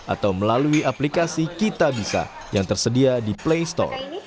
atau melalui aplikasi kitabisa yang tersedia di play store